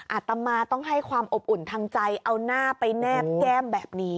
อาตมาต้องให้ความอบอุ่นทางใจเอาหน้าไปแนบแก้มแบบนี้